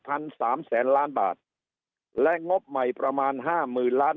สามแสนล้านบาทและงบใหม่ประมาณห้าหมื่นล้าน